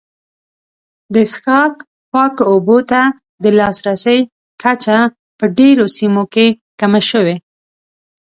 د څښاک پاکو اوبو ته د لاسرسي کچه په ډېرو سیمو کې کمه شوې.